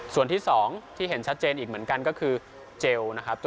ส่วนที่๒ที่เห็นชัดเจนอีกเหมือนกันก็คือเจลนะครับ